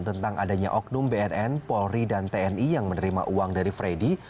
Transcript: tentang adanya oknum bnn polri dan tni yang menerima uang dari freddy